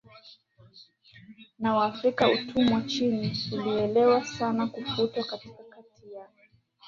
na Waafrika utumwa nchini ulichelewa sana kufutwa Lakini kati ya